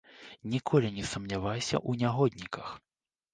Ніколі не сумнявайся ў нягодніках.